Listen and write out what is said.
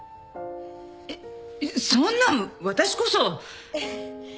えっそんな私こそ。